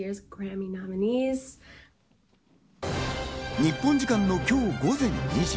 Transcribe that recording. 日本時間の今日午前２時。